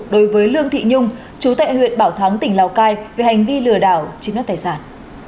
đối với lương thị nhung chú tại huyện bảo thắng tỉnh lào cai về hành vi lừa đảo chiếm đất tài sản